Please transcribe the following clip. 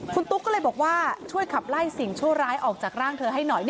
คุณตุ๊กก็เลยบอกว่าช่วยขับไล่สิ่งชั่วร้ายออกจากร่างเธอให้หน่อย